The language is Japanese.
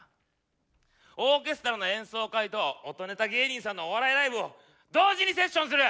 オーケストラの演奏会と音ネタ芸人さんのお笑いライブを同時にセッションする！